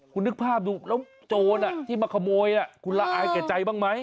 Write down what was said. คุณนึกภาพดูแล้วโจรที่มาขโมยคุณละอายแก่ใจบ้างไหม